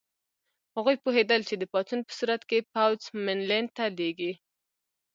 هغوی پوهېدل چې د پاڅون په صورت کې پوځ منډلینډ ته لېږي.